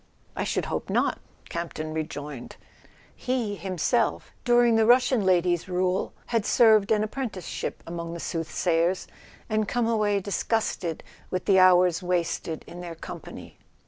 "I should hope not," Campton rejoined. He himself, during the Russian lady's rule, had served an appren¬ ticeship among the soothsayers, and come away dis¬ gusted with the hours wasted in their company.